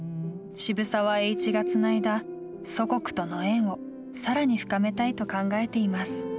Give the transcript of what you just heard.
渋沢栄一がつないだ祖国との縁をさらに深めたいと考えています。